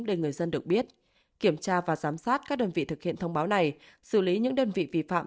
để người dân được biết kiểm tra và giám sát các đơn vị thực hiện thông báo này xử lý những đơn vị vi phạm